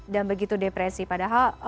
dan begitu depresi padahal